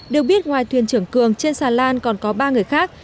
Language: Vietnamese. được biết ngoài thuyền trưởng cường trên xà lan còn có ba người khác